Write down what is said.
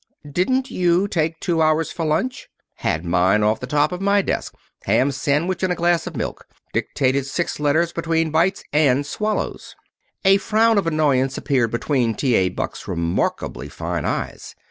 "Didn't you take two hours for lunch? Had mine off the top of my desk. Ham sandwich and a glass of milk. Dictated six letters between bites and swallows." A frown of annoyance appeared between T. A. Buck's remarkably fine eyes.